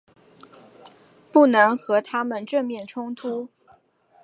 不能和他们正面冲突